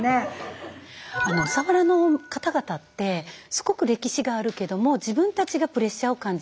佐原の方々ってすごく歴史があるけども自分たちがプレッシャーを感じた